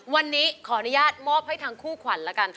วันนี้ขออนุญาตมอบให้ทั้งคู่ขวัญละกัน